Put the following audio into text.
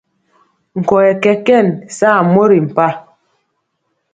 Nkɔyɛ kɛkɛn saa mori mpa.